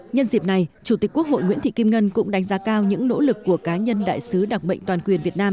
nhân dịp này chủ tịch quốc hội nguyễn thị kim ngân cũng đánh giá cao những nỗ lực của cá nhân đại sứ đặc mệnh toàn quyền việt nam